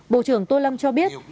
bộ trưởng tô lâm cho biết